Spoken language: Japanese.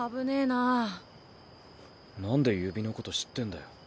なんで指のこと知ってんだよ？